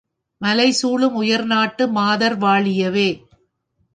மலைசூழும் உயர்நாட்டு மாதர்வா ழியவே!